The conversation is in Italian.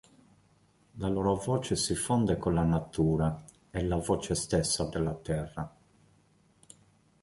La loro voce si fonde con la natura, è la voce stessa della Terra.